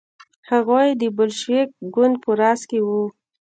هغوی د بلشویک ګوند په راس کې وو.